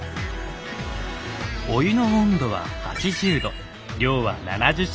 お湯の温度は８０度量は７０ｃｃ。